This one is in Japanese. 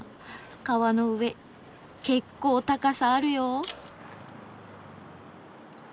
川の上結構高さあるよ。